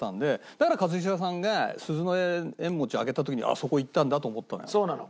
だから一茂さんが鈴乃○餅を挙げた時にそこいったんだ！と思ったのよ。